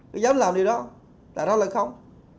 cứ dám làm điều đó tại đó là không